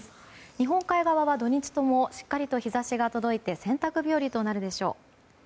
日本海側は土日ともしっかりと日差しが届いて洗濯日和となるでしょう。